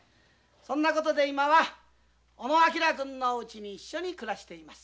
そんなことで今は小野昭君のうちに一緒に暮らしています。